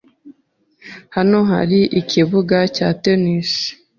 Hano hari ikibuga cya tennis?